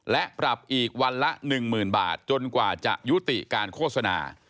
และปรับอีกวันละ๑๐๐๐บาทจนกว่าจะยุติการโฆษณา